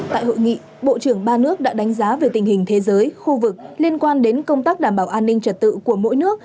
tại hội nghị bộ trưởng ba nước đã đánh giá về tình hình thế giới khu vực liên quan đến công tác đảm bảo an ninh trật tự của mỗi nước